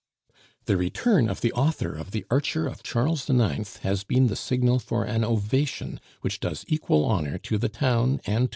"The return of the author of The Archer of Charles IX. has been the signal for an ovation which does equal honor to the town and to M.